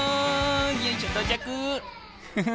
よいしょ到着。